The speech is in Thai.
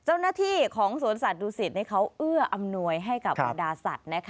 เจ้าหน้าที่ของสวนสัตว์ดูสิตเขาเอื้ออำนวยให้กับบรรดาสัตว์